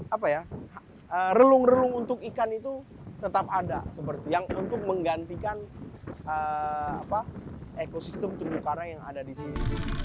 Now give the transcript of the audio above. apa ya relung relung untuk ikan itu tetap ada seperti yang untuk menggantikan ekosistem terumbu karang yang ada di sini